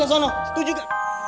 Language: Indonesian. apa loh itu juga